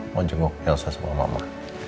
mau jenguk elsa sama mama